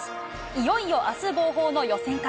いよいよ、あす号砲の予選会。